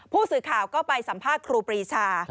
ผู้สื่อข่าวก็ไปสัมภาษณ์ครูปรีชา